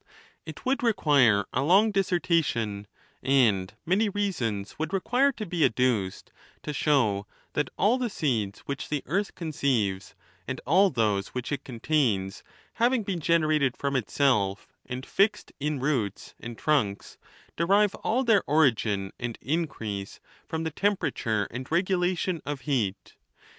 X. It would require a long dissertation, and many rea sons would require to be adduced, to show that all the seeds which the earth conceives, and all those which it contains having been generated from itself, and fixed in roots and trunks, derive all their origin and increase fi om the temperature and regulation of heat.